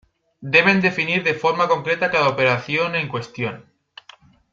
Deben definir de forma concreta cada operación en cuestión.